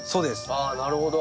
ああなるほど。